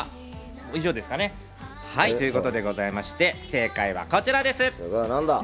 以上ですかね。ということでございまして、正解はこちらです。